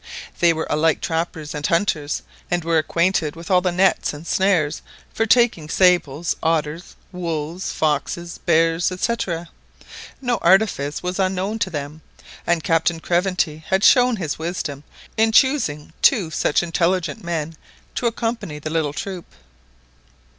They were alike trappers and hunters, and were acquainted with all the nets and snares for taking sables, otters, wolves, foxes, bears, &c. No artifice was unknown to them, and Captain Craventy had shown his wisdom in choosing two such intelligent men to accompany the little troop.